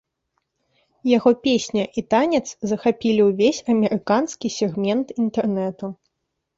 Яго песня і танец захапілі ўвесь амерыканскі сегмент інтэрнэту.